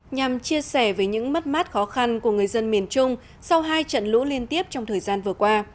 nhằm chia sẻ về những mất mát khó khăn của người dân miền trung sau hai trận lũ liên tiếp trong thời gian vừa qua